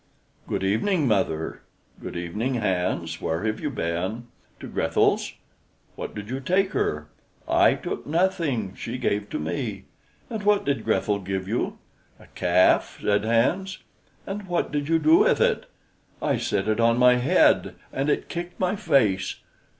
"Good evening, mother." "Good evening, Hans. Where have you been?" "To Grethel's." "What did you take her?" "I took nothing; she gave to me." "And what did Grethel give you?" "A calf," said Hans. "And what did you do with it?" "I set it on my head, and it kicked my face."